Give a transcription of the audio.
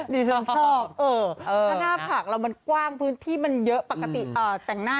เสื้อแท้หน้าภากเรามันกว้างพื้นที่มันเยอะปกติเอ่อแต่งหน้า